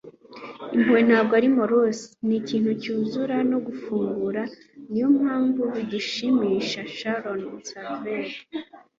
impuhwe ntabwo ari morose; ni ikintu cyuzura no gufungura; niyo mpamvu bidushimisha. - sharon salzberg